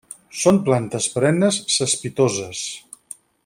Són plantes perennes cespitoses.